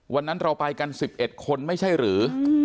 วันนั้นเราไปกัน๑๑คนไม่ใช่หรือ